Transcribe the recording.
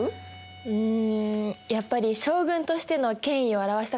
うんやっぱり将軍としての権威を表したかったからかな。